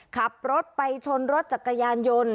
ขับรถไปชนรถจักรยานยนต์